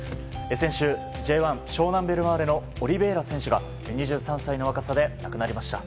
先週、Ｊ１湘南ベルマーレのオリベイラ選手が２３歳の若さで亡くなりました。